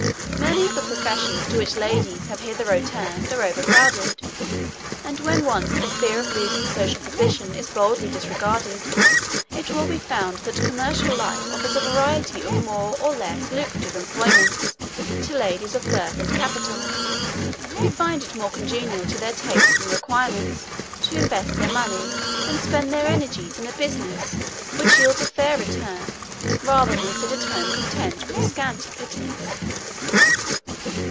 Many of the professions to which ladies have hitherto turned are overcrowded, and when once the fear of losing social position is boldy disregarded, it will be found that commercial life offers a variety of more or less lucrative employments to ladies of birth and capital, who find it more congenial to their tastes and requirements to invest their money and spend their energies in a business which yields a fair return rather than sit at home content with a scanty pittance.'